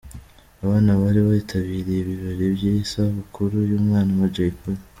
Abana bari bitabiriye ibirori by’isabukuru y’umwana wa Jay Polly.